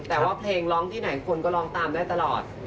แต่ว่าเพลงร้องที่ไหนคนก็ร้องตามได้ตลอด